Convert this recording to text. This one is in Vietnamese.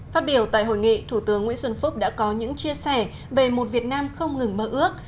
phát biểu tại hội nghị thủ tướng nguyễn xuân phúc đã có những chia sẻ về một việt nam không ngừng mơ ước